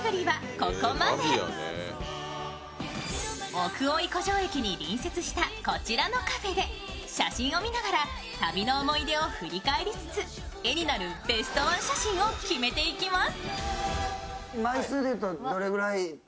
奥大井湖上駅に隣接したこちらのカフェで写真を見ながら旅の思い出を振り返りつつ、絵になるベストワン写真を決めていきます。